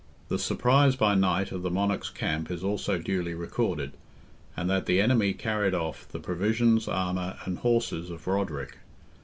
The surprise by night of the monarch's camp is also duly recorded; and that the enemy carried off "the provisions, armour, and horses of Roderick."